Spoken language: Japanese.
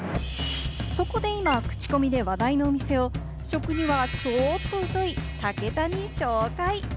そこで今クチコミで話題のお店を、そこにはちょっと疎い武田に紹介。